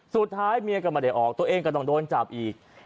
สุดท้ายเมียก็ไม่ได้ออกตัวเองก็ต้องโดนจับอีก